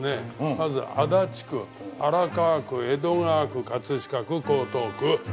まず足立区荒川区江戸川区葛飾区江東区。